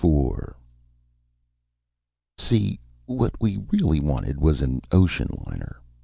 IV See, what we really wanted was an ocean liner.